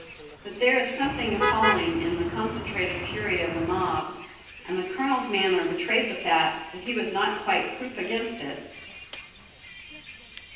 But there is something appalling in the concentrated fury of a mob, and the Colonel's manner betrayed the fact that he was not quite proof against it.